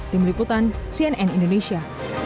tim liputan cnn indonesia